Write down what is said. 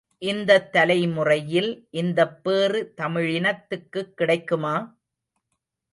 இந்தத் தலைமுறையில் இந்தப்பேறு தமிழினத்திற்குக் கிடைக்குமா?